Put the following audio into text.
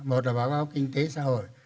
một là báo cáo kinh tế xã hội